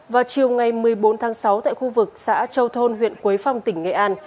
vào chiều ngày một mươi bốn tháng sáu tại khu vực xã châu thôn huyện quế phong tỉnh nghệ an